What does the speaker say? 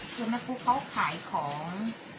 คือแม่ปุ๊กเขาขายของ